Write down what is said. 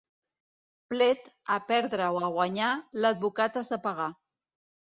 Plet, a perdre o a guanyar, l'advocat has de pagar.